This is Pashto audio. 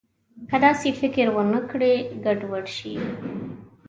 که داسې فکر ونه کړي، ګډوډ شي.